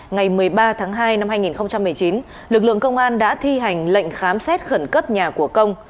ngày một mươi ba tháng hai năm hai nghìn một mươi chín lực lượng công an đã thi hành lệnh khám xét khẩn cấp nhà của công